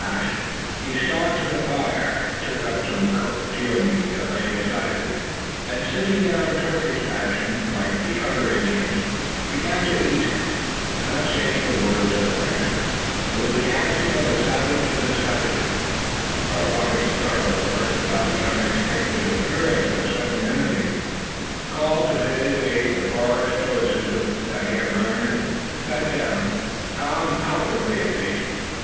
Then, as if they were no longer present, he stalked to the fire, took up some cooked deer meat that lay beside it, and, sitting down Turkish fashion like the other Indians, began to eat, not saying a word to the Frenchmen. It was the action of a savage of the savages, but Robert, startled at first by the unexpected appearance of such an enemy, called to his aid the forest stoicism that he had learned and sat down, calm, outwardly at least.